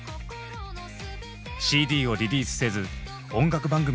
ＣＤをリリースせず音楽番組にも出ない。